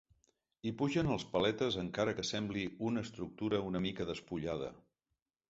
Hi pugen els paletes encara que sembli una estructura una mica despullada.